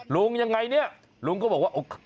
ลุงยังไงเนี่ยลุงก็บอกว่า